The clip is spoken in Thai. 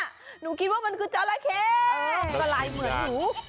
ก็ไหลเหมือนแผลของหนู